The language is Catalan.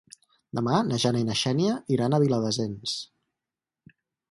Demà na Jana i na Xènia iran a Viladasens.